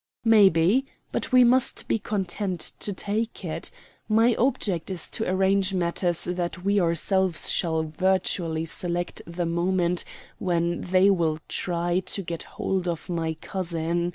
"Maybe; but we must be content to take it. My object is so to arrange matters that we ourselves shall virtually select the moment when they will try to get hold of my cousin.